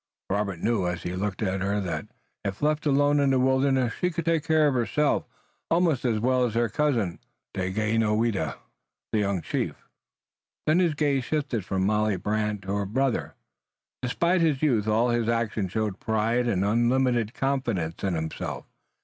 Robert knew as he looked at her that if left alone in the wilderness she could take care of herself almost as well as her cousin, Daganoweda, the young chief. Then his gaze shifted from Molly Brant to her brother. Despite his youth all his actions showed pride and unlimited confidence in himself.